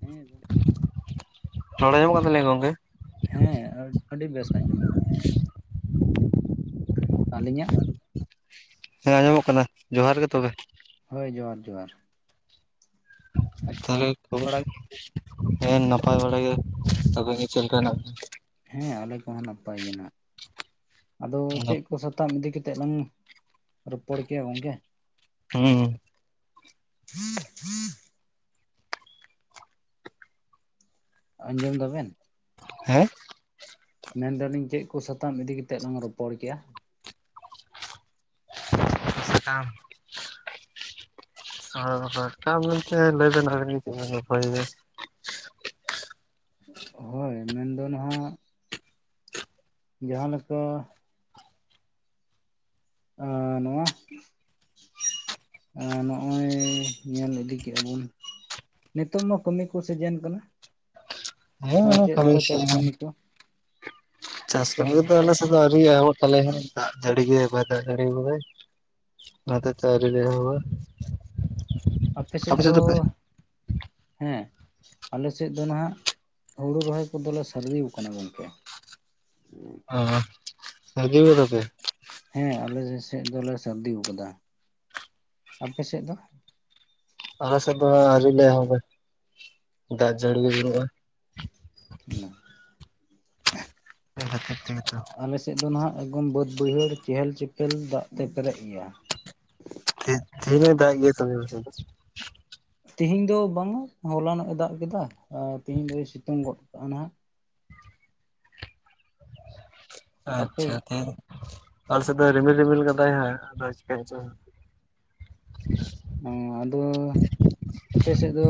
ᱦᱮᱸ ᱵᱚ᱾ ᱨᱚᱲ ᱟᱸᱡᱚᱢᱚᱜ ᱠᱟᱱ ᱛᱟᱞᱤᱧᱟ ᱜᱚᱝᱠᱮ? ᱦᱮᱸ ᱟ ᱟᱹᱰᱤ ᱵᱮᱥ ᱟᱸᱡᱚᱢᱚᱜ [inaudible] ᱟᱹᱞᱤᱧᱟᱜ? ᱦᱮᱸ ᱟᱸᱡᱚᱢᱚᱜ ᱠᱟᱱᱟ, ᱡᱚᱸᱦᱟᱨ ᱜᱮ ᱛᱚᱵᱮ᱾ ᱦᱳᱭ ᱡᱚᱦᱟᱨ ᱡᱚᱦᱟᱨ᱾ ᱟᱪᱪᱷᱟ ᱛᱟᱦᱚᱞᱮ ᱠᱷᱚᱵᱚᱨ, ᱛᱷᱚᱲᱟ ᱜᱮ ᱦᱮᱸ ᱱᱟᱯᱟᱭ ᱵᱟᱲᱟ ᱜᱮ ᱟᱯᱮ ᱜᱮ ᱪᱮᱫ ᱞᱮᱠᱟ ᱦᱮᱱᱟᱜ [inaudible] ᱦᱮᱸ ᱟᱞᱮ ᱠᱚᱦᱚᱸ ᱱᱟᱯᱟᱭ ᱜᱮ ᱱᱟᱜ, ᱟᱫᱚ ᱵᱮᱱᱟ? ᱪᱮᱫ ᱠᱚ ᱥᱟᱛᱟᱢ ᱤᱫᱤ ᱠᱟᱛᱮᱫ ᱞᱟᱝ ᱨᱚᱯᱚᱲ ᱠᱮᱭᱟ ᱜᱚᱝᱠᱮ? ᱦᱩᱸ᱾ [inaudible] ᱟᱸᱡᱚᱢ ᱫᱟᱵᱮᱱ? ᱦᱮᱸ? ᱢᱮᱱ ᱫᱟᱞᱤᱧ ᱪᱮᱫ ᱠᱚ ᱥᱟᱛᱟᱢ ᱤᱫᱤ ᱠᱟᱛᱮᱫ ᱞᱟᱝ ᱨᱚᱯᱚᱲ ᱠᱮᱭᱟ? ᱥᱟᱠᱟᱢ? [unintelligible] ᱦᱳᱭ ᱢᱮᱱᱫᱚ ᱱᱟᱦᱟᱜ, ᱡᱟᱦᱟᱸ ᱞᱮᱠᱟ ᱟᱸ ᱱᱚᱣᱟ ᱮᱸ ᱱᱚᱜᱼᱚᱭ ᱧᱮᱞ ᱤᱫᱤ ᱠᱮᱜ-ᱟ ᱵᱟᱱ ᱱᱮᱛᱳᱝ ᱫᱟ ᱠᱟᱹᱢᱤ ᱠᱚ ᱥᱤᱡᱤᱱ ᱠᱟᱱᱟ᱾ ᱦᱮᱸ ᱟ ᱪᱮᱫ ᱠᱟᱹᱢᱤ ᱠᱚ ᱪᱟᱥ ᱠᱟᱹᱢᱤ ᱠᱚ? ᱪᱟᱥ ᱪᱮᱫ ᱠᱟᱹᱢᱤ ᱠᱚᱫᱚ ᱟᱞᱮ ᱥᱮᱫ ᱫᱚ ᱟᱹᱣᱨᱤᱭᱟᱜ-ᱟᱭ [inaudible] ᱫᱟᱜ ᱡᱟᱹᱲᱤ ᱜᱮ ᱵᱟᱭ ᱫᱟᱜ ᱡᱟᱹᱲᱤᱟᱣ ᱠᱟᱫᱟᱭ᱾ ᱚᱱᱟ ᱦᱚᱛᱮᱡ ᱛᱮ ᱟᱹᱣᱨᱤ ᱞᱮ ᱮᱦᱚᱵᱚᱜ-ᱟ᱾ ᱟᱯᱮ ᱥᱮᱫ ᱫᱚ ᱦᱮᱸ᱾ ᱟᱞᱮ ᱥᱮᱫ ᱫᱚ ᱱᱟᱦᱟᱜ ᱦᱩᱲᱩ ᱨᱚᱦᱚᱭ ᱠᱚᱫᱚᱞᱮ ᱥᱟᱹᱨᱫᱤᱣ ᱟᱠᱟᱱᱟ ᱜᱚᱝᱠᱮ᱾ ᱥᱟᱹᱨᱫᱤᱣ ᱠᱟᱫᱟ ᱯᱮ? [inaudible] ᱦᱮᱸ ᱟᱞᱮ ᱥᱮ ᱥᱮᱫ ᱫᱚᱞᱮ ᱥᱟᱨᱫᱤᱣ ᱟᱠᱟᱫᱟ᱾ ᱟᱯᱮ ᱥᱮᱫ ᱫᱚ? ᱟᱞᱮ ᱥᱮᱫ ᱫᱚ ᱟᱹᱣᱨᱤ ᱞᱮ ᱮᱦᱚᱵᱚᱜ-ᱟ ᱫᱟᱜ ᱡᱟᱹᱲᱤ ᱜᱮ ᱵᱟᱹᱱᱩᱜᱼᱟ᱾ [inaudible] [inaudible] ᱟᱞᱮ ᱥᱮᱫ ᱫᱚ ᱱᱟᱦᱟᱜ ᱮᱜᱚᱢ ᱵᱟᱹᱫᱽ ᱵᱟᱹᱭᱦᱟᱹᱲ ᱪᱮᱦᱮᱞ ᱪᱮᱯᱮᱞ ᱫᱟᱜ ᱛᱮ ᱯᱮᱨᱮᱡ ᱜᱮᱭᱟ᱾ ᱛᱮ ᱛᱮᱦᱮᱧ ᱦᱚᱸᱭ ᱫᱟᱜ ᱮᱫ ᱜᱮᱭᱟ ᱛᱟᱞᱦᱮ ᱟᱯᱮ ᱥᱮᱫ ᱫᱚ? ᱛᱤᱦᱮᱧ ᱫᱚ ᱵᱟᱝᱟ, ᱦᱚᱞᱟᱱᱚᱜ-ᱮ ᱫᱟᱜ ᱠᱮᱫᱟ ᱟᱨ ᱛᱮᱤᱦᱮᱧ ᱫᱚᱭ ᱥᱤᱛᱩᱝ ᱜᱚᱫ ᱠᱟᱜᱼᱟ ᱱᱟᱦᱟᱜ᱾ ᱟᱯᱮ ᱟᱪᱪᱷᱟ ᱛᱮᱦᱮᱧ ᱟᱞᱮ ᱥᱮᱫ ᱫᱚᱭ ᱨᱤᱢᱤᱞ ᱨᱤᱢᱤᱞ ᱠᱟᱫᱟᱭ ᱦᱟᱸᱜ ᱟᱫᱚᱭ ᱪᱮᱠᱟᱹᱭᱮᱫ ᱪᱚᱭ? ᱚᱸ ᱟᱫᱚ ᱟᱯᱮ ᱥᱮᱫ ᱫᱚ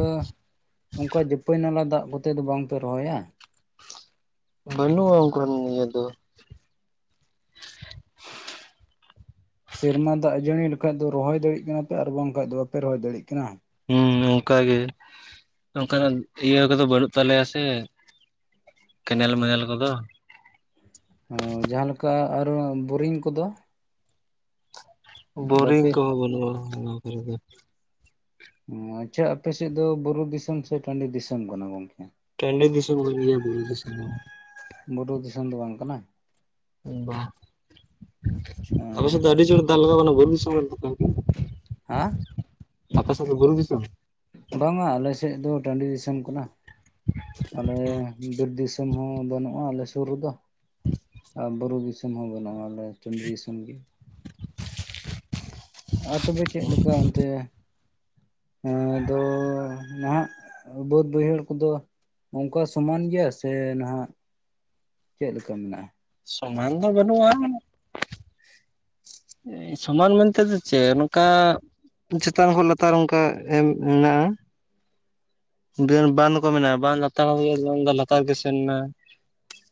ᱚᱱᱠᱟ ᱡᱟᱹᱯᱟᱹᱭ ᱱᱟᱞᱟ ᱫᱟᱜ ᱠᱚᱛᱮ ᱫᱚ ᱵᱟᱝ ᱯᱮ ᱨᱚᱦᱚᱭᱟ? ᱵᱟᱹᱱᱩᱜᱼᱟ ᱚᱱᱠᱟᱱ ᱤᱭᱟᱹ ᱫᱚ᱾ ᱥᱮᱨᱢᱟ ᱫᱟᱜ ᱡᱟᱹᱲᱤ ᱞᱮᱠᱟᱡ ᱫᱚ ᱨᱚᱦᱚᱭ ᱫᱟᱲᱤᱜ ᱠᱟᱱᱟᱯᱮ ᱟᱨ ᱵᱟᱝᱠᱷᱟᱡ ᱫᱚ ᱵᱟᱯᱮ ᱨᱚᱦᱚᱭ ᱫᱟᱲᱮᱜ ᱠᱟᱱᱟ? ᱦᱩᱸ ᱚᱱᱠᱟ ᱜᱮ, ᱚᱱᱠᱟᱱᱟᱜ ᱤᱭᱟᱹ ᱠᱚᱫᱚ ᱵᱟᱹᱱᱩᱜ ᱛᱟᱞᱮᱭᱟ ᱥᱮ᱾ ᱠᱮᱱᱮᱞ ᱢᱮᱱᱮᱱᱮᱞ ᱠᱚᱫᱚ᱾ ᱦᱚᱸ ᱡᱟᱦᱟᱸᱞᱮᱠᱟ ᱟᱨᱚ ᱵᱳᱨᱤᱝ ᱠᱚᱫᱚ? ᱵᱳᱨᱤᱝ ᱵᱟᱯᱮ ᱠᱚᱦᱚᱸ ᱵᱟᱹᱱᱩᱜᱼᱟ ᱱᱚᱣᱟ ᱠᱚᱨᱮ ᱫᱚ᱾ ᱚᱸ ᱟᱪᱪᱷᱟ ᱟᱯᱮ ᱥᱮᱫ ᱫᱚ ᱵᱩᱨᱩ ᱫᱤᱥᱚᱢ ᱥᱮ ᱴᱟᱺᱰᱤ ᱫᱤᱥᱚᱢ ᱠᱟᱱᱟ ᱜᱚᱝᱠᱮ? ᱴᱟᱺᱰᱤ ᱫᱤᱥᱚᱢ ᱠᱟᱱ ᱜᱮᱭᱟ, ᱵᱩᱨᱩ ᱫᱤᱥᱚᱢ ᱵᱟᱝ᱾ ᱵᱩᱨᱩ ᱫᱤᱥᱚᱢ ᱫᱚ ᱵᱟᱝ ᱠᱟᱱᱟ? ᱵᱟ, ᱟᱞᱮ ᱥᱮᱫ ᱫᱚ ᱟᱹᱰᱤ ᱡᱳᱨ ᱫᱟᱜ ᱞᱟᱜᱟᱣ ᱮᱱᱟ ᱵᱤᱨᱩ ᱫᱤᱥᱚᱢ ᱠᱟᱱ ᱛᱟᱯᱮᱭᱟ? ᱦᱮᱸ ᱟᱯᱮ ᱥᱮᱫ ᱫᱚ ᱵᱩᱨᱩ ᱫᱤᱥᱚᱢ? ᱵᱟᱝ-ᱟ ᱟᱞᱮ ᱥᱮᱫ ᱫᱚ ᱴᱟᱺᱰᱤ ᱫᱤᱥᱚᱢ ᱠᱟᱱᱟ ᱾ ᱟᱞᱮ ᱵᱤᱨ ᱫᱤᱥᱚᱢ ᱦᱚᱸ ᱵᱟᱹᱱᱩᱜᱼᱟ, ᱟᱞᱮ ᱥᱩᱨ ᱨᱮᱫᱚ ᱾ ᱟᱨ ᱵᱩᱨᱩ ᱫᱤᱥᱚᱢ ᱦᱚᱸ ᱵᱟᱹᱱᱩᱜᱼᱟ, ᱟᱞᱮ ᱴᱟᱺᱰᱤ ᱫᱤᱥᱚᱢ ᱜᱮ ᱾ ᱟᱨ ᱛᱚᱵᱮ ᱪᱮᱫ ᱞᱮᱠᱟ ᱚᱱᱛᱮ ᱦᱮᱸ, ᱟᱫᱚ ᱱᱟᱦᱟᱜ ᱵᱟᱹᱫᱽ ᱵᱟᱹᱭᱦᱟᱹᱲ ᱠᱚᱫᱚ ᱚᱱᱠᱟ ᱥᱚᱢᱟᱱ ᱜᱮᱭᱟ ᱥᱮ ᱱᱟᱦᱟᱜ ᱪᱮᱫ ᱞᱮᱠᱟ ᱢᱮᱱᱟᱜᱼᱟ? ᱥᱚᱢᱟᱱ ᱫᱚ ᱵᱟᱹᱱᱩᱜᱼᱟ ᱾ [inaudible] ᱥᱚᱢᱟᱱ ᱢᱮᱱᱛᱮ ᱫᱚ ᱪᱮᱫ ᱱᱚᱝᱠᱟ ᱪᱮᱛᱟᱱ ᱠᱷᱚᱡ ᱞᱟᱛᱟᱨ ᱚᱱᱠᱟ ᱮᱢ ᱢᱮᱱᱟᱜᱼᱟ ᱾ ᱵᱟᱸᱫᱽ ᱠᱚᱨ ᱨᱚᱠᱚᱢ ᱢᱮᱱᱟᱜᱼᱟ, ᱵᱟᱸᱫᱽ ᱞᱟᱛᱟᱨ ᱫᱚ ᱞᱟᱛᱟᱨ ᱨᱮᱜᱮ ᱥᱮᱱ ᱮᱱᱟ ᱾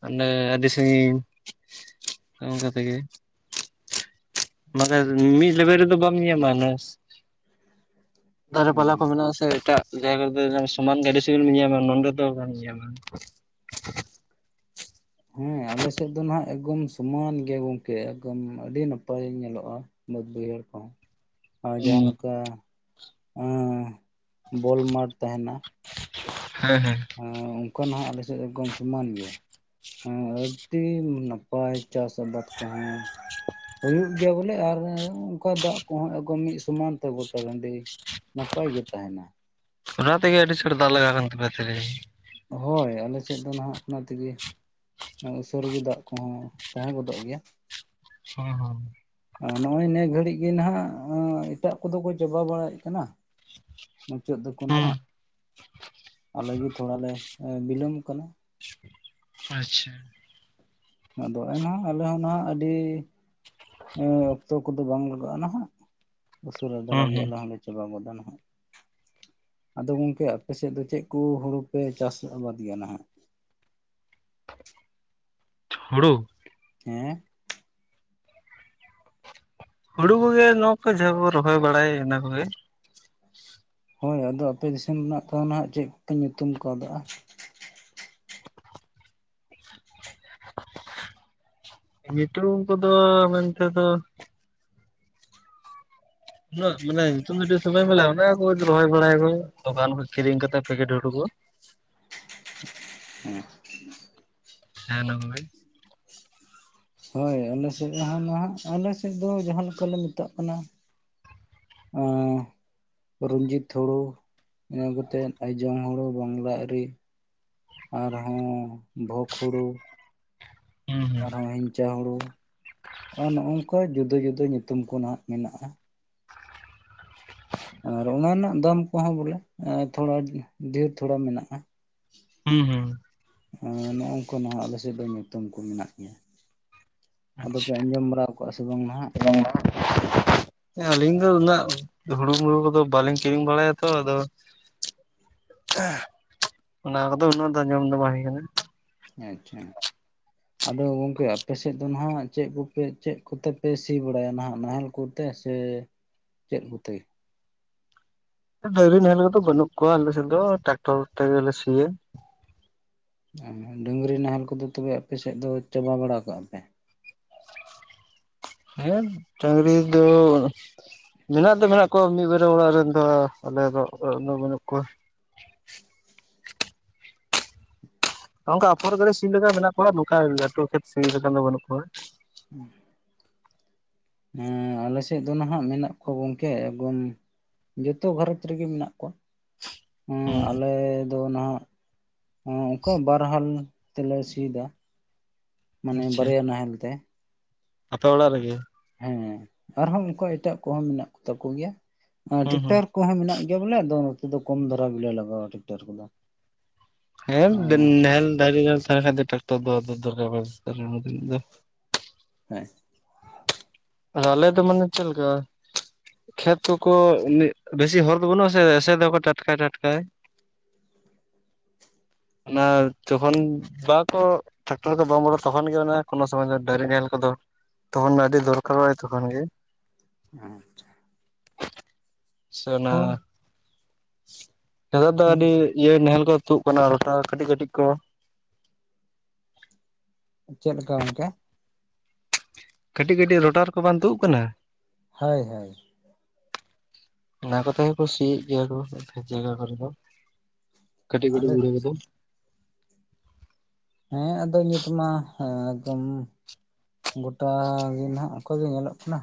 ᱚᱰᱮ ᱟᱹᱰᱤ ᱥᱟᱺᱜᱤᱧ ᱚᱱᱠᱟ ᱛᱮᱜᱮ ᱾ ᱢᱟᱱᱮ ᱢᱤᱫ ᱞᱮᱵᱮᱞ ᱨᱮᱫᱚ ᱵᱟᱢ ᱧᱮᱸᱧᱟᱢᱟ ᱫᱟᱨᱮ ᱯᱟᱞᱟ ᱠᱚ ᱦᱮᱸ ᱢᱮᱱᱟᱜ-ᱟ ᱥᱮ ᱮᱴᱟᱜ ᱡᱟᱭᱜᱟ ᱥᱚᱢᱟᱱ ᱜᱮ ᱟᱹᱰᱤ ᱥᱟᱺᱜᱤᱧ ᱮᱢ ᱧᱮᱸᱧᱟᱢᱟ, ᱱᱚᱰᱮ ᱫᱚ ᱵᱟᱢ ᱧᱟᱢᱟ ᱾ ᱦᱮᱸ ᱟᱞᱮ ᱥᱮᱫ ᱫᱚ ᱦᱟᱜ ᱮᱠᱫᱚᱢ ᱥᱚᱢᱟᱱ ᱜᱮᱭᱟ ᱜᱚᱝᱠᱮ, ᱮᱠᱫᱚᱢ ᱟᱹᱰᱤ ᱱᱟᱯᱟᱭ ᱧᱮᱞᱚᱜᱼᱟ ᱾ ᱵᱟᱹᱫᱽ ᱵᱟᱹᱭᱦᱟᱹᱲ ᱠᱚ ᱾ ᱟᱨ ᱦᱩᱸ ᱡᱟᱦᱟᱸ ᱱᱚᱠᱟ ᱮᱸ ᱵᱚᱞ ᱢᱟᱴᱷ ᱛᱟᱦᱮᱱᱟ ᱦᱮᱸ ᱦᱮᱸ ᱾ ᱦᱮᱸ, ᱚᱱᱠᱟ ᱱᱟᱜ ᱟᱞᱮ ᱥᱮᱫ ᱮᱠᱫᱚᱢ ᱥᱚᱢᱟᱱ ᱜᱮᱭᱟ ᱾ ᱦᱮᱸ ᱟᱹᱰᱤ ᱱᱟᱯᱟᱭ ᱪᱟᱥ ᱟᱵᱟᱫ ᱠᱚᱦᱚᱸ ᱾ ᱦᱩᱭᱩᱜ ᱜᱮᱭᱟ ᱵᱚᱞᱮ ᱟᱨ ᱚᱱᱠᱟ ᱫᱟᱜ ᱠᱚᱦᱚᱸ ᱮᱠᱫᱚᱢ ᱢᱤᱫ ᱥᱚᱢᱟᱱ ᱛᱮ ᱜᱚᱴᱟ ᱴᱟᱺᱰᱤ ᱱᱟᱯᱟᱭ ᱜᱮ ᱛᱟᱦᱮᱱᱟ ᱾ ᱟᱱᱚ ᱛᱮᱜᱮ ᱟᱹᱰᱤ ᱪᱟᱲ ᱵᱟᱞᱮ [unintelligible] ᱦᱳᱭ, ᱟᱞᱮ ᱥᱮᱫ ᱫᱚ ᱱᱟᱦᱟᱜ ᱚᱱᱟ ᱛᱮᱜᱮ ᱩᱥᱟᱹᱨᱟ ᱜᱮ ᱫᱟᱜ ᱠᱚᱦᱚᱸ ᱛᱟᱦᱮᱸ ᱜᱚᱫᱚᱜ ᱜᱮᱭᱟ ᱾ ᱦᱮᱸ ᱦᱮᱸ ᱾ ᱱᱚᱜᱼᱚᱭ ᱱᱤᱭᱟᱹ ᱜᱷᱟᱹᱲᱤᱡ ᱜᱮ ᱱᱟᱜ ᱮᱴᱟᱜ ᱠᱚᱫᱚ ᱠᱚ ᱪᱟᱵᱟ ᱵᱟᱲᱟᱭᱮᱫ ᱠᱟᱱᱟ ᱾ ᱢᱩᱪᱟᱹᱫ ᱮᱫᱟ ᱠᱚ ᱱᱟᱦᱟᱜ ᱦᱩᱸ ᱟᱞᱮ ᱜᱮ ᱛᱷᱚᱲᱟ ᱞᱮ ᱵᱤᱞᱚᱢ ᱟᱠᱟᱱᱟ ᱾ ᱟᱪᱪᱷᱟ ᱾ ᱟᱫᱚ ᱮᱱᱦᱚ ᱟᱞᱮ ᱦᱚᱸ ᱱᱟᱦᱟᱜ ᱟᱹᱰᱤ ᱦᱮᱸ ᱚᱠᱛᱚ ᱠᱚᱫᱚ ᱵᱟᱝ ᱞᱟᱜᱟᱜᱼᱟ ᱱᱟᱦᱟᱜ, ᱩᱥᱟᱹᱨᱟ ᱫᱷᱟᱨᱟ ᱦᱩᱸ ᱜᱮ ᱦᱩᱸ ᱟᱞᱮ ᱦᱚᱸᱞᱮ ᱪᱟᱵᱟ ᱜᱚᱫᱟ ᱱᱟᱦᱟᱜ ᱾ ᱟᱫᱚ ᱜᱚᱝᱠᱮ ᱟᱯᱮ ᱥᱮᱫ ᱫᱚ ᱪᱮᱫ ᱠᱚ ᱦᱩᱲᱩ ᱯᱮ ᱪᱟᱥ ᱟᱵᱟᱫ ᱜᱮᱭᱟ ᱱᱟᱦᱟᱜ? ᱦᱩᱲᱩ? ᱦᱮᱸ᱾ ᱦᱩᱲᱩ ᱠᱚᱜᱮ, ᱱᱚᱣᱟ ᱠᱚ ᱡᱟᱦᱟ ᱵᱚ ᱨᱚᱦᱚᱭ ᱵᱟᱲᱟᱭᱟ ᱤᱱᱟᱹ ᱠᱚᱜᱮ ᱾ ᱦᱳᱭ, ᱟᱫᱚ ᱟᱯᱮ ᱫᱤᱥᱚᱢ ᱨᱮᱱᱟᱜ ᱛᱚ ᱱᱟᱦᱟᱜ ᱪᱮᱫ ᱠᱚ ᱯᱮ ᱧᱩᱛᱩᱢ ᱠᱟᱣᱫᱟᱜ-ᱟ? ᱧᱩᱛᱩᱢ ᱠᱚᱫᱚ ᱢᱮᱱᱛᱮ ᱫᱚ ᱩᱱᱟᱹᱜ ᱢᱟᱱᱮ ᱧᱩᱛᱩᱢ ᱠᱚᱫᱚ [unintelligible] ᱨᱚᱦᱚᱭ ᱵᱟᱲᱟᱭ ᱟᱠᱚ ᱫᱚᱠᱟᱱ ᱠᱷᱚᱱ ᱠᱤᱨᱤᱧ ᱠᱟᱛᱮᱫ ᱯᱮᱠᱮᱴ ᱦᱩᱲᱩ ᱠᱚ ᱾ ᱦᱮᱸ ᱦᱮᱸ [unintelligible] ᱦᱳᱭ ᱟᱞᱮ ᱥᱮᱫ ᱨᱮ ᱱᱟᱦᱟᱜ, ᱟᱞᱮ ᱥᱮᱫ ᱫᱚ ᱡᱟᱦᱟ ᱞᱮᱠᱟ ᱞᱮ ᱢᱮᱛᱟᱜ ᱠᱟᱱᱟ ᱟᱸᱻ ᱨᱚᱱᱡᱤᱛ ᱦᱳᱲᱩ ᱤᱱᱟᱹ ᱠᱟᱛᱮᱫ ᱟᱭᱡᱚᱝ ᱦᱩᱲᱩ ᱵᱟᱝᱞᱟ ᱟᱹᱨᱤ, ᱟᱨᱦᱚᱸ ᱵᱷᱚᱜᱽ ᱦᱩᱲᱩ ᱾ ᱦᱩᱸ ᱦᱩᱸ ᱟᱨᱦᱚᱸ ᱦᱤᱝᱪᱟ ᱦᱩᱲᱩ ᱟᱨ ᱱᱚᱜᱼᱝᱠᱟ ᱡᱩᱫᱟᱹ-ᱡᱩᱫᱟᱹ ᱧᱩᱛᱩᱢ ᱠᱚ ᱱᱟᱦᱟᱜ ᱢᱮᱱᱟᱜᱼᱟ᱾ ᱟᱨ ᱚᱱᱟ ᱨᱮᱱᱟᱜ ᱫᱟᱢ ᱠᱚᱦᱚᱸ ᱵᱚᱞᱮ ᱛᱷᱚᱲᱟ ᱰᱷᱮᱨ ᱛᱷᱚᱲᱟ ᱢᱮᱱᱟᱜᱼᱟ᱾ ᱦᱩᱸ ᱦᱩᱸ᱾ ᱮᱻ ᱱᱚᱜᱝᱠᱟ ᱱᱟᱦᱟᱜ ᱟᱞᱮᱥᱮᱫ ᱫᱚ ᱧᱩᱛᱩᱢ ᱠᱚ ᱢᱮᱱᱟᱜ ᱜᱮᱭᱟ᱾ ᱟᱫᱚ ᱯᱮ ᱟᱪᱪᱷᱟ ᱟᱸᱡᱚᱢ ᱵᱟᱲᱟ ᱟᱠᱚᱜᱼᱟ ᱟᱥᱮ ᱵᱟᱝ ᱱᱟᱦᱟᱜ? [unintelligible] [inaudible] ᱟᱹᱞᱤᱧ ᱫᱚ ᱩᱱᱟᱹᱜ ᱦᱩᱲᱩ ᱢᱩᱲᱩ ᱠᱚᱫᱚ ᱵᱟᱹᱞᱤᱧ ᱠᱤᱨᱤᱧ ᱵᱟᱲᱟᱭᱟᱛᱚ, ᱟᱫᱚ ᱚᱱᱟ ᱠᱚᱫᱚ ᱩᱱᱟᱹᱜ ᱫᱚ ᱟᱸᱡᱚᱢ ᱫᱚ ᱵᱟᱝ ᱦᱩᱭ ᱟᱠᱟᱱᱟ᱾ ᱟᱪᱪᱷᱟ᱾ ᱟᱫᱚ ᱜᱚᱝᱠᱮ ᱟᱯᱮᱥᱮᱫ ᱫᱚ ᱱᱟᱦᱟᱜ ᱪᱮᱫ ᱠᱚᱯᱮ ᱪᱮᱫ ᱠᱚᱛᱮ ᱯᱮ ᱥᱤ ᱵᱟᱲᱟᱭᱟ ᱱᱟᱦᱟᱜ ᱱᱟᱦᱮᱞ ᱠᱚ -ᱛᱮ ᱥᱮ ᱪᱮᱫ ᱠᱚᱛᱮ? ᱰᱟᱹᱝᱨᱤ ᱱᱟᱦᱮᱞ ᱠᱚᱫᱚ ᱵᱟᱹᱱᱩᱜ ᱠᱚᱣᱟ ᱟᱞᱮ ᱥᱮᱫ ᱫᱚ ᱴᱨᱟᱠᱴᱚᱨ ᱛᱮᱜᱮ ᱞᱮ ᱥᱤᱭᱟ᱾ ᱰᱟᱹᱝᱨᱤ ᱱᱟᱦᱮᱞ ᱠᱚᱫᱚ ᱛᱚᱵᱮ ᱟᱯᱮ ᱥᱮᱫ ᱫᱚ ᱪᱟᱵᱟ ᱵᱟᱲᱟᱣ ᱠᱟᱜᱼᱟ ᱯᱮ? ᱦᱮᱸ ᱰᱟᱹᱝᱨᱤ ᱫᱚ, ᱢᱮᱱᱟᱜ ᱫᱚ ᱢᱮᱱᱟᱜ ᱠᱚᱣᱟ ᱢᱤᱫᱵᱟᱨ ᱟᱞᱮ ᱚᱲᱟᱜ ᱨᱮᱱ ᱫᱚ, ᱟᱞᱮ ᱫᱚ ᱚᱲᱟᱜ ᱨᱮᱫᱚ ᱵᱟᱹᱱᱩᱜ ᱠᱚᱣᱟ᱾ ᱱᱚᱱᱠᱟ ᱟᱯᱷᱚᱨ ᱠᱚᱨᱮ ᱥᱤ ᱞᱮᱠᱟ ᱢᱮᱱᱟᱜ ᱠᱚᱣᱟ, ᱱᱚᱝᱠᱟ ᱞᱟᱹᱴᱩ ᱠᱷᱮᱛ ᱥᱤ ᱞᱮᱠᱟ ᱫᱚ ᱵᱟᱹᱱᱩᱜ ᱠᱚᱣᱟ᱾ ᱩᱸ ᱦᱮᱸ ᱟᱞᱮ ᱥᱮᱫ ᱫᱚ ᱱᱟᱦᱟᱜ ᱢᱮᱱᱟᱜ ᱠᱚᱣᱟ ᱜᱚᱝᱠᱮ, ᱮᱠᱫᱚᱢ ᱡᱚᱛᱚ ᱜᱷᱟᱨᱚᱸᱡᱽ ᱨᱮᱜᱮ ᱢᱮᱱᱟᱜ ᱠᱚᱣᱟ᱾ ᱦᱩᱸ ᱟᱞᱮ ᱫᱚ ᱱᱟᱦᱟᱜ ᱚᱱᱠᱟ ᱵᱟᱨᱦᱟᱞ ᱛᱮᱞᱮ ᱥᱮᱭᱮᱫᱟ ᱢᱟᱱᱮ ᱵᱟᱨᱭᱟ ᱱᱟᱦᱮᱞ ᱛᱮ᱾ ᱟᱛᱳ ᱚᱲᱟᱜ ᱨᱮᱜᱮ? ᱦᱮᱸ ᱟᱨᱦᱚᱸ ᱚᱱᱠᱩ ᱮᱴᱟᱜ ᱠᱚᱦᱚᱸ ᱢᱮᱱᱟᱜ ᱠᱚ ᱛᱟᱠᱚ ᱜᱮᱭᱟ᱾ ᱦᱩᱸ ᱦᱩᱸ ᱴᱮᱠᱴᱟᱨ ᱠᱚᱦᱚᱸ ᱢᱮᱱᱟᱜ ᱜᱮᱭᱟ ᱵᱚᱞᱮ ᱟᱫᱚ ᱱᱚᱛᱮ ᱫᱚ ᱠᱚᱢ ᱫᱷᱟᱨᱟ ᱜᱮᱞᱮ ᱞᱟᱜᱟᱣᱟ ᱴᱮᱠᱴᱟᱨ ᱠᱚᱫᱚ᱾ ᱦᱮᱸ ᱚ ᱱᱟᱦᱮᱞ ᱰᱟᱹᱭᱨᱤ ᱨᱮᱦᱚᱸ ᱛᱟᱦᱮᱱ ᱠᱷᱟᱱ ᱫᱚ ᱴᱨᱮᱠᱴᱚᱨ ᱫᱚ ᱟᱫᱚ ᱵᱟᱭ ᱫᱚᱨᱠᱟᱨᱚᱜᱼᱟ ᱩᱱᱟᱜ ᱫᱷᱟᱹᱵᱤᱡ ᱫᱚ᱾ ᱦᱮᱸ ᱟᱫᱚ ᱟᱞᱮ ᱫᱚ ᱢᱟᱱᱮ ᱪᱮᱫ ᱞᱮᱠᱟ? ᱠᱷᱮᱛ ᱠᱚᱠᱚ ᱵᱮᱥᱤ ᱦᱚᱨ ᱫᱚ ᱵᱟᱹᱱᱩᱜᱼᱟᱥᱮ, ᱮᱥᱮᱫᱟᱠᱚ ᱴᱟᱴᱠᱟᱭ ᱴᱟᱴᱠᱟᱭ᱾ [inaudible] ᱚᱱᱟ ᱡᱚᱠᱷᱚᱱ ᱵᱟᱠᱚ᱾ ᱴᱨᱟᱠᱴᱟᱨ ᱫᱚ ᱵᱟᱢ ᱵᱚᱞᱚ ᱛᱚᱠᱷᱚᱱ ᱜᱮ ᱚᱱᱟ ᱠᱚᱱᱳ ᱥᱚᱢᱚᱭ ᱫᱚ ᱰᱟᱹᱝᱨᱤ ᱱᱟᱦᱮᱞ ᱠᱚᱫᱚ ᱛᱚᱠᱷᱚᱱ ᱟᱹᱰᱤ ᱫᱚᱨᱠ ᱦᱚᱭ ᱛᱚᱠᱷᱳᱱ ᱜᱮ᱾ ᱦᱮᱸ ᱟᱪᱪᱷᱟ᱾ ᱟᱪᱪᱦᱟ ᱚᱱᱟ ᱦᱳᱭ ᱱᱮᱛᱚᱜ ᱫᱚ ᱦᱳᱭ ᱟᱹᱰᱤ ᱤᱭᱟᱹ ᱱᱟᱦᱮᱞ ᱠᱚ ᱛᱩᱫ ᱠᱟᱱᱟ ᱨᱚᱴᱟᱨ ᱠᱟᱹᱴᱤᱡ ᱠᱟᱹᱴᱤᱡ ᱠᱚ᱾ ᱪᱮᱫᱞᱮᱠᱟ ᱜᱚᱝᱠᱮ? ᱠᱟᱹᱴᱤᱡ ᱠᱟᱹᱴᱤᱡ ᱨᱚᱴᱟᱨ ᱠᱚ ᱵᱟᱝ ᱛᱩᱫ ᱟᱠᱟᱱᱟ? ᱦᱳᱭ ᱦᱳᱭ ᱚᱱᱟ ᱠᱚᱛᱮ ᱠᱚ ᱥᱤᱭᱮᱫ ᱜᱮᱭᱟ ᱠᱚ ᱠᱦᱮᱛ ᱡᱟᱭᱜᱟ ᱠᱚᱨᱮ ᱫᱚ ᱠᱟᱹᱴᱤᱡ ᱠᱟᱹᱴᱤᱡ ᱟᱞᱮ ᱵᱩᱲᱟᱹ ᱠᱚᱫᱚ᱾ ᱦᱮᱸ ᱟᱫᱚ ᱱᱤᱛ ᱢᱟ ᱮᱠᱫᱚᱢ᱾ ᱜᱚᱴᱟ ᱜᱮ ᱱᱟᱦᱟᱜ ᱠᱷᱚᱡ ᱜᱮ ᱧᱮᱞᱚᱜ ᱠᱟᱱᱟ᱾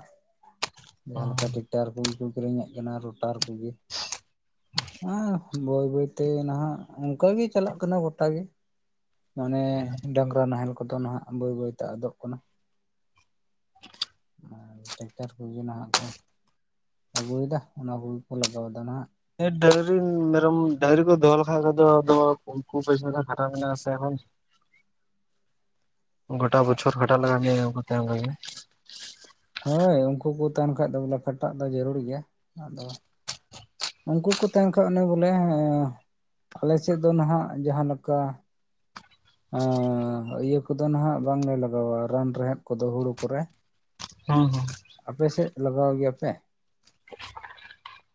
ᱡᱟᱦᱟᱸ ᱞᱮᱠᱟ ᱴᱮᱠᱴᱟᱨ ᱠᱚᱜᱮ ᱠᱚ ᱠᱤᱨᱤᱧᱮᱫ ᱠᱟᱱᱟ ᱨᱳᱴᱟᱨ ᱠᱚᱜᱮ᱾ [unintelligible] ᱦᱮᱸ ᱵᱟᱹᱭ ᱵᱟᱹᱭᱛᱮ ᱱᱟᱦᱟᱜ ᱚᱱᱠᱟᱜᱮ ᱪᱟᱞᱟᱜ ᱠᱟᱱᱟ ᱜᱚᱴᱟ ᱜᱮ᱾ ᱢᱟᱱᱮ ᱰᱟᱝᱨᱟ ᱱᱟᱦᱮᱞ ᱠᱚᱫᱚ ᱱᱟᱦᱟᱜ ᱵᱟᱹᱭ ᱵᱟᱹᱭᱛᱮ ᱟᱫᱚᱜ ᱠᱟᱱᱟ᱾ ᱟᱨ ᱴᱨᱮᱠᱴᱟᱨ ᱠᱚᱜᱮ ᱱᱟᱦᱟᱜ ᱠᱚ ᱟᱹᱜᱩᱭᱮᱫᱟ ᱚᱱᱟ ᱠᱚᱜᱮ ᱠᱚ ᱞᱟᱜᱟᱣᱼᱮᱫᱟ ᱱᱟᱦᱟᱜ᱾ ᱰᱟᱝᱨᱤ ᱢᱮᱨᱚᱢ ᱰᱟᱝᱨᱤ ᱠᱚ ᱫᱚᱦᱚ ᱞᱮᱠᱷᱟᱡ ᱫᱚ ᱫᱚᱦᱚ ᱩᱱᱠᱩ ᱯᱤᱪᱷᱚᱱ ᱨᱮᱦᱚᱸ ᱠᱷᱟᱴᱟᱣ ᱢᱮᱱᱟᱜᱼᱟᱥᱮ ᱮᱠᱷᱚᱱ᱾ ᱜᱚᱴᱟ ᱵᱚᱪᱷᱚᱨ ᱠᱷᱟᱴᱟᱜ ᱞᱟᱜᱟᱣ ᱢᱮᱦᱟ ᱩᱱᱠᱩ ᱛᱟᱭᱚᱢ ᱨᱮᱜᱮ᱾ ᱦᱳᱭ ᱩᱱᱠᱩ ᱠᱚ ᱛᱟᱦᱮᱱ ᱠᱷᱟᱡ ᱫᱚ ᱵᱚᱞᱮ ᱠᱷᱟᱴᱟᱜ ᱫᱚ ᱡᱟᱹᱨᱩᱲ ᱜᱮᱭᱟ ᱟᱫᱚ ᱩᱱᱠᱩ ᱠᱚ ᱛᱟᱦᱮᱸᱱ ᱠᱷᱟᱡ ᱚᱱᱮ ᱵᱚᱞᱮ ᱟᱞᱮ ᱥᱮᱫ ᱫᱚ ᱱᱟᱦᱟᱜ ᱡᱟᱦᱟᱸ ᱱᱚᱠᱟ ᱟᱻᱸ ᱤᱭᱟᱹ ᱠᱚᱫᱚ ᱱᱟᱦᱟᱜ ᱵᱟᱝᱞᱮ ᱞᱟᱜᱟᱣᱟ ᱨᱟᱱ ᱨᱮᱦᱮᱫ ᱠᱚᱫᱚ ᱦᱩᱲᱩ ᱠᱚᱨᱮ᱾ ᱦᱚᱸ ᱦᱚᱸ᱾ ᱟᱯᱮᱥᱮᱫ ᱞᱟᱜᱟᱣ ᱜᱮᱭᱟᱯᱮ? [inaudible]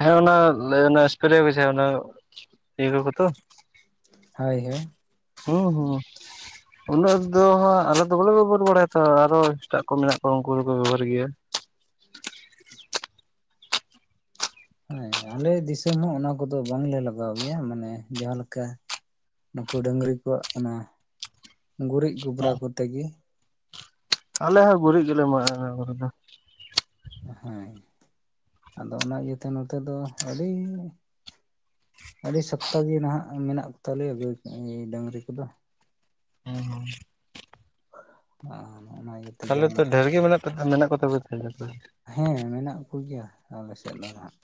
ᱦᱮᱸ ᱚᱱᱟ ᱞᱮᱭ ᱚᱱᱮ ᱮᱥᱯᱨᱮ ᱢᱮᱥᱮ ᱚᱱᱟ ᱛᱤᱡᱩ ᱠᱚᱛᱚ᱾ ᱦᱳᱭ ᱦᱳᱭ᱾ ᱦᱩᱸ ᱦᱩᱸ᱾ ᱩᱱᱟᱹᱜ ᱫᱚ ᱦᱟᱸᱜ ᱟᱞᱮ ᱫᱚ ᱵᱟᱞᱮ ᱵᱮᱵᱚᱦᱟᱨ ᱵᱟᱲᱟᱭᱟ ᱛᱚ ᱟᱨᱦᱚᱸ ᱮᱴᱟᱜ ᱠᱚ ᱢᱮᱱᱟᱜ ᱠᱚᱣᱟ ᱩᱱᱠᱩ ᱫᱚᱠᱚ ᱵᱮᱵᱚᱦᱟᱨ ᱜᱮᱭᱟ᱾ ᱦᱮᱸ ᱟᱞᱮ ᱫᱤᱥᱚᱢ ᱦᱚᱸ ᱚᱱᱟ ᱠᱚᱫᱚ ᱵᱟᱝᱞᱮ ᱞᱟᱜᱟᱣ ᱜᱮᱭᱟ ᱢᱟᱱᱮ ᱡᱟᱦᱟᱸᱞᱮᱠᱟ ᱱᱩᱠᱩ ᱰᱟᱹᱝᱨᱤ ᱠᱚᱣᱟᱜ ᱠᱟᱱᱟ ᱜᱩᱨᱤᱡᱽ ᱜᱚᱵᱨᱟ ᱦᱮᱸ ᱠᱚᱛᱮ ᱜᱮ᱾ ᱟᱞᱮ ᱦᱚᱸ ᱜᱩᱨᱤᱡᱽ ᱜᱮᱞᱮ ᱮᱢᱟᱜᱼᱟ ᱚᱱᱟ ᱠᱚᱨᱮ ᱫᱚ᱾ ᱦᱮᱸ ᱟᱫᱚ ᱚᱱᱟ ᱤᱭᱟᱹ ᱛᱮ ᱱᱚᱛᱮ ᱫᱚ ᱟᱹᱰᱤ ᱟᱹᱰᱤ ᱥᱚᱠᱛᱚ ᱜᱮ ᱱᱟᱦᱟᱜ ᱢᱮᱱᱟᱜ ᱠᱚᱛᱟᱞᱮᱭᱟ ᱜᱟᱹᱭ ᱰᱟᱹᱝᱨᱤ ᱠᱚᱫᱚ᱾ ᱦᱩᱸ ᱦᱩᱸ᱾ [unintelligible] ᱛᱟᱦᱚᱞᱮ ᱛᱚ ᱡᱟᱦᱟᱱᱟᱜ ᱰᱷᱮᱨ ᱜᱮ ᱢᱮᱱᱟᱜ ᱠᱚᱛᱟ ᱢᱮᱱᱟᱜ ᱠᱚ ᱛᱟᱯᱮ ᱛᱟᱦᱚᱞᱮ ᱛᱚ᱾ ᱦᱮᱸ ᱢᱮᱱᱟᱜ ᱠᱚᱜᱮᱭᱟ ᱟᱞᱮᱥᱮᱫ ᱫᱚ ᱱᱟᱦᱟᱜ᱾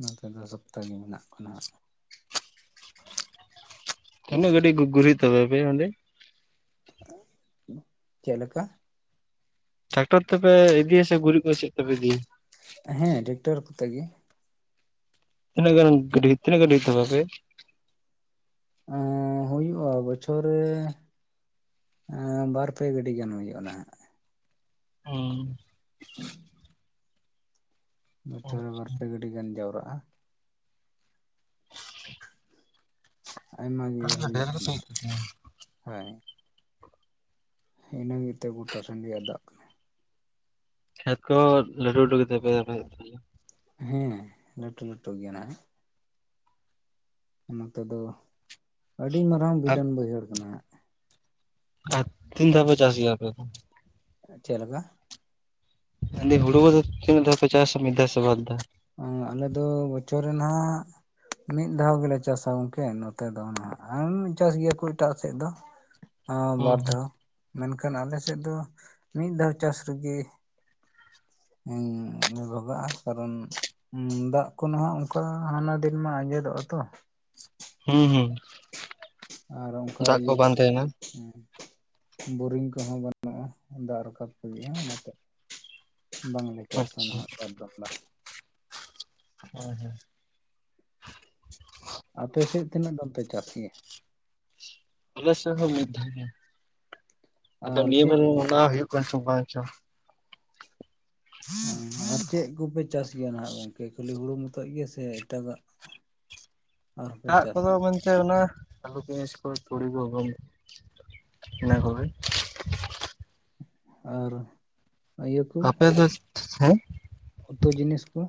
ᱱᱚᱛᱮ ᱫᱚ ᱥᱚᱠᱛᱚ ᱜᱮ ᱢᱮᱱᱟᱜ ᱠᱚ ᱱᱟᱦᱟᱜ᱾ ᱛᱤᱱᱟᱹᱜ ᱜᱟᱹᱰᱤ ᱠᱩ ᱜᱩᱨᱤᱡᱽ ᱛᱟᱯᱮ ᱟᱯᱮᱭᱟ ᱚᱸᱰᱮ? ᱪᱮᱫ ᱞᱮᱠᱟ? ᱴᱟᱠᱴᱚᱨ ᱛᱮᱯᱮ ᱤᱫᱤᱭᱟ ᱥᱮ ᱜᱩᱨᱤᱡᱽ ᱠᱚ ᱪᱮᱫ ᱛᱮᱯᱮ ᱤᱫᱤᱭᱟ? ᱦᱮᱸ ᱴᱮᱠᱴᱚᱨ ᱠᱚᱛᱮ ᱜᱮ᱾ ᱛᱤᱱᱟᱹᱜ ᱜᱟᱱ ᱜᱟᱹᱰᱤ ᱛᱤᱱᱟᱹᱜ ᱜᱟᱹᱰᱤ ᱦᱩᱭᱩᱜ ᱛᱟᱯᱮ ᱟᱯᱮ? ᱮᱸᱻ ᱦᱩᱭᱩᱜᱼᱟ ᱵᱚᱪᱷᱚᱨ ᱨᱮ ᱟᱸᱻ ᱵᱟᱨ ᱯᱮ ᱜᱟᱹᱰᱤ ᱜᱟᱱ ᱦᱩᱭᱩᱜᱼᱟ ᱱᱟᱦᱟᱜ᱾ [unintelligible] [inaudible] ᱵᱚᱪᱷᱚᱨ ᱨᱮ ᱵᱟᱨ ᱯᱮ ᱜᱟᱹᱰᱤ ᱜᱟᱱ ᱡᱟᱣᱨᱟᱜᱼᱟ, ᱟᱭᱢᱟ ᱜᱮ ᱦᱩᱭᱩᱜ ᱠᱟᱱᱟ ᱦᱳᱭ᱾ ᱤᱱᱟᱹ ᱜᱮᱛᱮ ᱜᱚᱴᱟ ᱥᱟᱸᱜᱮ ᱟᱫᱟᱜ ᱠᱷᱮᱛ ᱠᱚᱦᱚᱸ ᱞᱟᱹᱴᱩ ᱞᱟᱹᱴᱩ ᱜᱮ ᱛᱟᱯᱮᱭᱟ ᱟᱯᱮ ᱥᱮᱫ ᱫᱚ᱾ ᱦᱮᱸ ᱞᱟᱹᱴᱩ ᱞᱟᱹᱴᱩ ᱜᱮᱭᱟ ᱱᱟᱦᱟᱜ᱾ ᱱᱚᱛᱮ ᱫᱚ ᱟᱹᱰᱤ ᱢᱟᱨᱟᱝ ᱵᱤᱞᱚᱱ ᱵᱟᱹᱭᱦᱟᱹᱲ ᱠᱟᱱᱟ ᱦᱟᱸᱜ᱾ ᱟᱨ ᱛᱤᱱ ᱫᱷᱟᱣ ᱯᱮ ᱪᱟᱥ ᱜᱮᱭᱟ ᱟᱯᱮ ᱫᱚ? ᱪᱮᱫ ᱞᱮᱠᱟ? ᱛᱟᱦᱚᱞᱮ ᱦᱩᱲᱩ ᱠᱚᱫᱚ ᱛᱤᱱ ᱫᱷᱟᱣ ᱯᱮ ᱪᱟᱥᱟ ᱢᱤᱫ ᱫᱷᱟᱣ ᱥᱮ ᱵᱟᱨ ᱫᱷᱟᱣ? ᱟᱞᱮ ᱫᱚ ᱵᱚᱪᱷᱚᱨ ᱨᱮ ᱱᱟᱦᱟᱜ ᱢᱤᱫ ᱫᱷᱟᱣ ᱜᱮᱞᱮ ᱪᱟᱥᱟ ᱜᱚᱢᱠᱮ ᱱᱚᱛᱮ ᱫᱚ ᱱᱟᱦᱟᱜ ᱟᱨ ᱪᱟᱥ ᱜᱮᱭᱟ ᱠᱚ ᱮᱴᱟᱜ ᱥᱮᱫ ᱫᱚ᱾ ᱟᱸ ᱦᱩᱸ ᱵᱟᱨ ᱫᱷᱟᱣ ᱢᱮᱱᱠᱷᱟᱱ ᱟᱞᱮ ᱥᱮᱫ ᱫᱚ ᱢᱤᱫ ᱫᱷᱟᱣ ᱪᱟᱥ ᱨᱮᱜᱮ ᱤᱧ ᱨᱚᱜᱟᱜᱼᱟ ᱠᱟᱨᱚᱱ ᱫᱟᱜ ᱠᱚ ᱱᱟᱦᱟᱜ ᱚᱱᱠᱟ ᱦᱟᱱᱟ ᱫᱤᱱ ᱢᱟ ᱟᱸᱡᱮᱫᱚᱜᱼᱟ ᱛᱚ᱾ ᱦᱩᱸ ᱦᱩᱸ ᱟᱨ ᱚᱱᱠᱟ ᱫᱟᱜ ᱠᱚ ᱤᱭᱟᱹ ᱵᱟᱝ ᱛᱟᱦᱮᱱᱟ ᱦᱮᱸ ᱵᱳᱨᱤᱝ ᱠᱚᱦᱚᱸ ᱵᱟᱹᱱᱩᱜᱼᱟ ᱫᱟᱜ ᱨᱟᱠᱟᱵ ᱵᱚᱜᱤ-ᱟ ᱚᱱᱟᱛᱮ ᱵᱟᱝ ᱞᱮ ᱪᱟᱥᱟ ᱟᱪᱪᱷᱟ ᱱᱟᱦᱟᱜ ᱱᱮᱛᱟᱨ ᱫᱚ, ᱫᱟᱜ ᱦᱳᱭ ᱦᱳᱭ ᱟᱯᱮ ᱥᱮᱫ ᱛᱤᱱᱟᱹᱜ ᱫᱟᱢ ᱯᱮ ᱪᱟᱥ ᱜᱮᱭᱟ? ᱟᱞᱮ ᱥᱮᱫ ᱦᱚᱸ ᱢᱤᱫ ᱫᱷᱟᱣ ᱜᱮ, ᱟᱫᱚ ᱟᱨ ᱱᱤᱭᱟᱹ ᱪᱮᱫ ᱵᱮᱨ ᱚᱱᱟ ᱦᱩᱭᱩᱜ ᱠᱟᱱ ᱪᱚᱝ ᱵᱟᱝ ᱪᱚᱝ᱾ ᱦᱮᱸ ᱟᱨ ᱪᱮᱫ ᱠᱚᱯᱮ ᱪᱟᱥ ᱜᱮᱭᱟ ᱱᱟᱦᱟᱜ ᱜᱚᱝᱠᱮ ᱠᱷᱟᱹᱞᱤ ᱦᱩᱲᱩ ᱢᱚᱛᱚ ᱜᱮ ᱥᱮ ᱮᱴᱟᱜᱟᱜ᱾ [inaudible] ᱟᱨᱦᱚᱸ ᱯᱮ ᱫᱟᱜ ᱪᱟᱥ ᱠᱚᱫᱚ ᱜᱮᱭᱟ? ᱢᱟᱱᱮ ᱥᱮ ᱚᱱᱟ ᱟᱹᱞᱩ ᱯᱮᱭᱟᱡᱽ ᱠᱚ ᱛᱩᱲᱤ ᱜᱚᱢ ᱤᱱᱟ ᱠᱚᱜᱮ᱾ ᱟᱨ ᱤᱭᱟᱹ ᱠᱚ ᱟᱯᱮ ᱫᱚ ᱦᱮᱸ ᱩᱛᱩ ᱡᱤᱱᱤᱥ ᱠᱚ᱾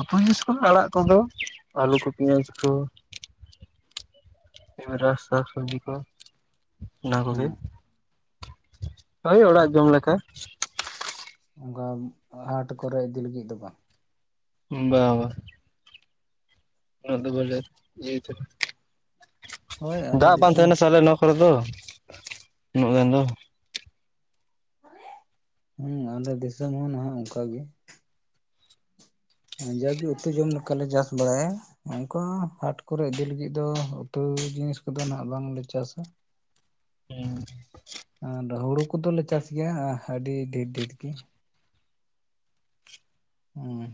ᱩᱛᱩ ᱡᱤᱱᱤᱥ ᱠᱚ ᱟᱲᱟᱜ ᱠᱚᱫᱚ ᱟᱹᱞᱩ ᱠᱚ ᱯᱮᱸᱭᱟᱡᱽ ᱠᱚ᱾ ᱠᱮᱢᱨᱟ ᱥᱟᱠ ᱥᱚᱵᱽᱡᱤ ᱠᱚ ᱚᱱᱟ ᱦᱮᱸ ᱠᱚᱜᱮ᱾ ᱦᱳᱭ ᱚᱲᱟᱜ ᱡᱚᱢ ᱞᱮᱠᱟ᱾ ᱚᱱᱠᱟ ᱦᱟᱴ ᱠᱚᱨᱮ ᱤᱫᱤ ᱞᱟᱹᱜᱤᱫ ᱫᱚ ᱵᱟᱝ᱾ ᱵᱟ ᱵᱚᱝ᱾ ᱩᱱᱟᱹᱜ ᱫᱚ ᱵᱟᱞᱮ ᱤᱭᱟ. ᱫᱚ ᱦᱳᱭ ᱟᱞᱮ ᱫᱟᱜ ᱵᱟᱝ ᱫᱤᱥᱚᱢ ᱛᱟᱦᱮᱱᱟ ᱥᱟ ᱟᱞᱮ ᱱᱚᱣᱟ ᱠᱚᱨᱮ ᱫᱚ, ᱩᱱᱟᱹᱜ ᱜᱟᱱ ᱫᱚ᱾ ᱦᱮᱸ ᱟᱞᱮ ᱫᱤᱥᱚᱢ ᱦᱚᱸ ᱱᱟᱦᱟᱜ ᱚᱱᱠᱟ ᱜᱮ᱾ ᱡᱟᱜᱮ ᱩᱛᱩ ᱡᱚᱢ ᱞᱮᱠᱟᱞᱮ ᱪᱟᱥ ᱵᱟᱲᱟᱭᱟ᱾ ᱚᱝᱠᱟ ᱦᱟᱴ ᱠᱚᱨᱮ ᱤᱫᱤ ᱞᱟᱹᱜᱤᱫ ᱫᱚ ᱩᱛᱩ ᱡᱤᱱᱤᱥ ᱠᱚᱫᱚ ᱱᱟᱜ ᱵᱟᱝᱞᱮ ᱪᱟᱥᱟ᱾ ᱦᱮᱸ ᱟᱨ ᱦᱩᱲᱩ ᱠᱚᱫᱚᱞᱮ ᱪᱟᱥ ᱜᱮᱭᱟ ᱟᱹᱰᱤ ᱰᱷᱮᱨ ᱰᱷᱮᱨ ᱜᱮ᱾ ᱦᱮᱸ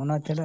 ᱚᱱᱟ ᱪᱷᱟᱰᱟ᱾